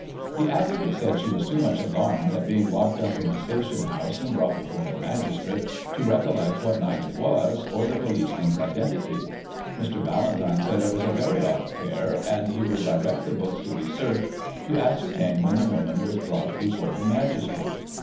The applicant said she was too much alarmed at being locked up in the station hotise, and brought before the magis trate, to recollect what night it was, or the policeman's identity. Mr. Ballantyne said it was a very odd affair, and he would direct the books to be searched to ascertain when the woman was brought before the magistrate.